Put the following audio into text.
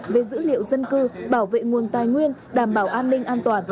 về dữ liệu dân cư bảo vệ nguồn tài nguyên đảm bảo an ninh an toàn